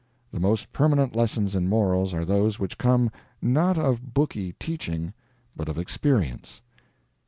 The most permanent lessons in morals are those which come, not of booky teaching, but of experience.